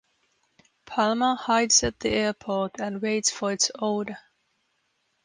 Palma hides at the airport and waits for its owner.